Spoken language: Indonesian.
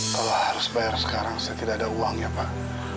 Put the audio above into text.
kalau harus bayar sekarang saya tidak ada uang ya pak